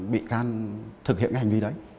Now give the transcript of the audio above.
bị can thực hiện hành vi đấy